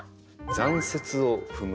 「残雪を踏む」。